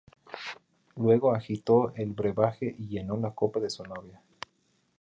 Luego agitó el brebaje y llenó la copa de su novia.